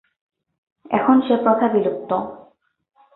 এখন সে প্রথা বিলুপ্ত।